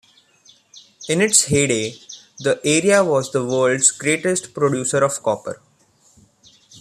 In its heyday, the area was the world's greatest producer of copper.